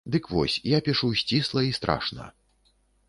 Дык вось, я пішу сцісла і страшна.